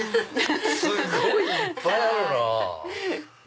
すごいいっぱいあるなぁ。